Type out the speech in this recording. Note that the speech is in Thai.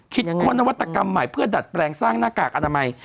ค้นนวัตกรรมใหม่เพื่อดัดแปลงสร้างหน้ากากอนามัย